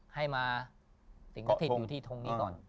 ให้มาสิงสถิตอยู่ที่ทงนี้ก่อน